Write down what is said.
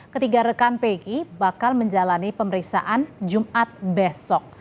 ketiga rekan peggy bakal menjalani pemeriksaan jumat besok